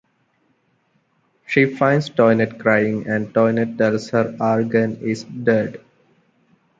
She finds Toinette crying and Toinette tells her Argan is dead.